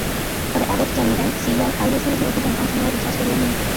তবে অ্যাবট জানিয়ে দেন, সিরিয়ায় আইএসবিরোধী অভিযানে অংশ নেওয়ার ইচ্ছা অস্ট্রেলিয়ার নেই।